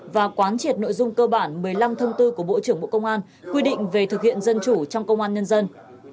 và quán triệt nội dung cơ bản một mươi năm thông tư của bộ trưởng bộ công an quy định về thực hiện dân chủ trong công an nhân dân